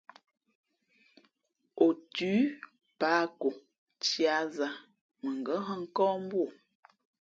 Ǒ thʉ̌ pǎh ko tiā zā, mα ngα̌ hᾱ nkᾱᾱ mbu ô.